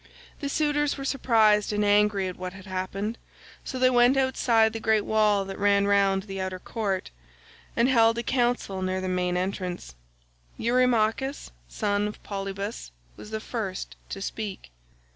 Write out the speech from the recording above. The suitors were surprised and angry at what had happened, so they went outside the great wall that ran round the outer court, and held a council near the main entrance. Eurymachus, son of Polybus, was the first to speak.